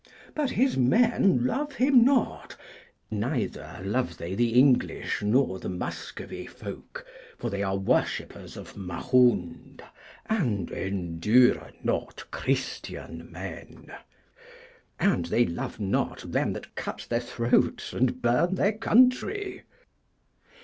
But his men love him not, neither love they the English nor the Muscovy folk, for they are worshippers of Mahound, and endure not Christian men. And they love not them that cut their throats, and burn their country.